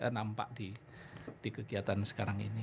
nampak di kegiatan sekarang ini